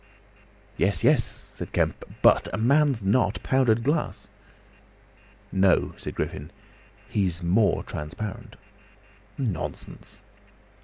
"Yes, yes," said Kemp. "But a man's not powdered glass!" "No," said Griffin. "He's more transparent!" "Nonsense!"